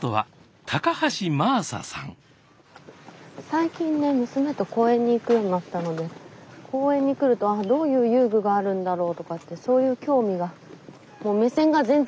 最近ね娘と公園に行くようになったので公園に来るとどういう遊具があるんだろうとかってそういう興味が。